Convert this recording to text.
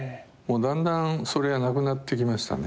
だんだんそれがなくなってきましたね。